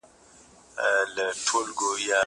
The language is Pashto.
که وخت وي، موبایل کاروم،